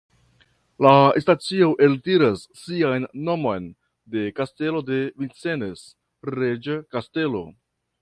La stacio eltiras sian nomon de Kastelo de Vincennes, reĝa kastelo.